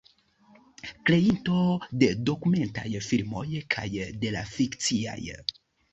Kreinto de dokumentaj filmoj kaj de la fikciaj.